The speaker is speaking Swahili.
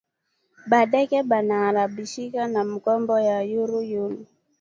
Ba ndeke bana arabisha ma mbeko ya yulu yulu